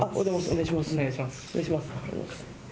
お願いします。